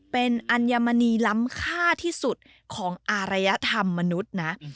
เป็นอัญมณีล้ำค่าที่สุดของอารยธรรมมนุษย์นะ